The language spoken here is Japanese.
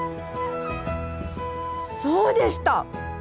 そうでした！